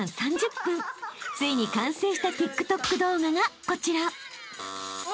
［ついに完成したＴｉｋＴｏｋ動画がこちら］